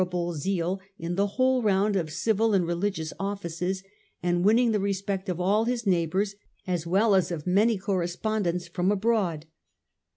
VIII. 178 The Age of the Antonines, zeal in the whole round of civil and religious offices, and winnmg the respect of all his neighbours as well as of many correspondents from abroad.